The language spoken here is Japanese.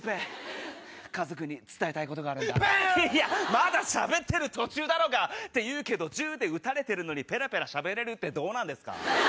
まだしゃべってる途中だろうが！っていうけど銃で撃たれてるのにぺらぺらしゃべれるってどうなんですか？